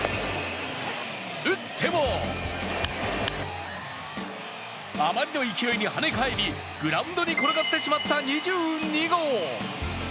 打ってもあまりの勢いにはね返りグラウンドに転がってしまった２２号。